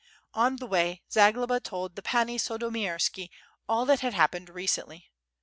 On the way Zagloba told the Pani Sandomierska all that had happened recently.